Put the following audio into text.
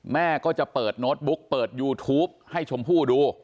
แม่ก็จะเปิดโน้ตบุ๊กเปิดยูทูปให้ชมพู่ดู